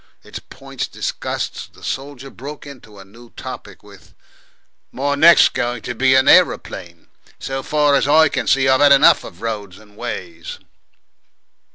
Its points discussed, the soldier broke into a new topic with, "My next's going to be an aeroplane, so far as I can see. I've had enough of roads and ways."